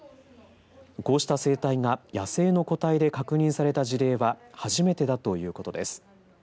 こうした生態が野生の個体で確認された事例は初めてだということです。